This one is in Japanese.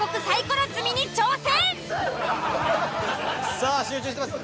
さあ集中してます。